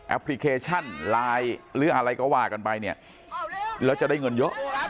พลิเคชันไลน์หรืออะไรก็ว่ากันไปเนี่ยแล้วจะได้เงินเยอะ